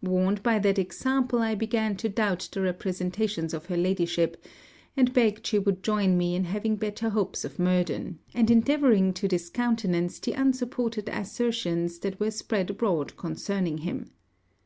Warned by that example, I began to doubt the representations of her ladyship; and begged she would join with me in having better hopes of Murden, and endeavouring to discountenance the unsupported assertions that were spread abroad concerning him.